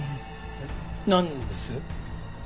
えっなんです？